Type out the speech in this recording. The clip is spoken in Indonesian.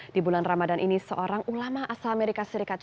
di bulan ramadan ini seorang ulama asal amerika serikat